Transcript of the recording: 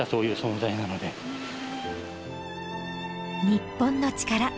『日本のチカラ』